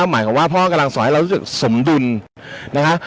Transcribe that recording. หมายความว่าพ่อกำลังสอนให้เรารู้สึกสมดุลนะฮะ